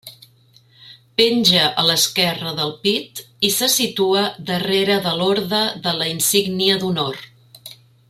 Penja a l'esquerra del pit, i se situa darrere de l'Orde de la Insígnia d'Honor.